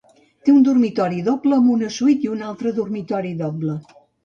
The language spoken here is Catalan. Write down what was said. Té un dormitori doble amb una suite i un altre dormitori doble.